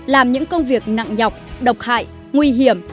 làm những công việc nặng nhọc độc hại nguy hiểm